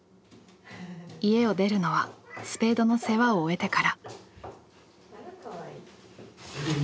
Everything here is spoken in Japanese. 家を出るのはスペードの世話を終えてから。